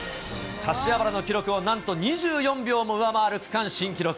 柏原の記録をなんと２４秒をも上回る区間新記録。